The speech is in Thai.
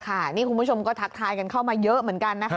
นี่คุณผู้ชมก็ทักทายกันเข้ามาเยอะเหมือนกันนะคะ